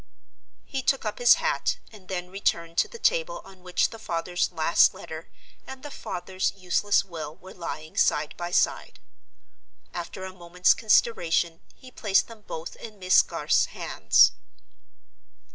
He took up his hat; and then returned to the table on which the father's last letter, and the father's useless will, were lying side by side. After a moment's consideration, he placed them both in Miss Garth's hands.